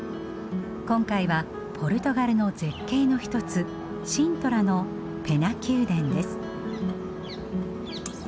今回はポルトガルの絶景の一つシントラのペナ宮殿です。